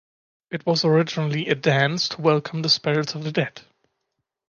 It was originally a dance to welcome the spirits of the dead.